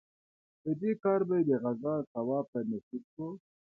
په دې کار به یې د غزا ثواب په نصیب شو.